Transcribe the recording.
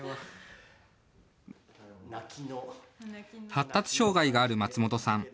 発達障害がある松本さん。